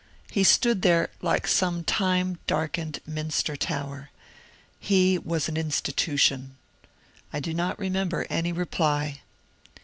He stood there like some time darkened minster tower. He was an institu tion. I do not remember any reply.